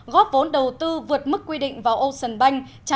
góp vốn đầu tư vượt mức quy định vào ocean bank